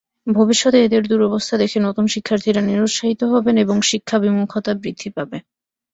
ভবিষ্যতে এঁদের দুরবস্থা দেখে নতুন শিক্ষার্থীরা নিরুৎসাহী হবেন এবং শিক্ষাবিমুখতা বৃদ্ধি পাবে।